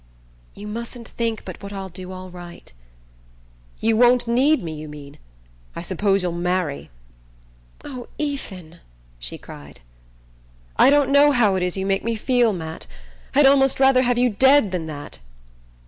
"You mustn't think but what I'll do all right." "You won't need me, you mean? I suppose you'll marry!" "Oh, Ethan!" she cried. "I don't know how it is you make me feel, Matt. I'd a'most rather have you dead than that!"